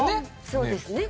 そうですね。